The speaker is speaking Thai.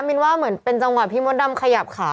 มินว่าเหมือนเป็นจังหวะพี่มดดำขยับขา